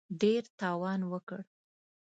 ډېر تاوان وکړ.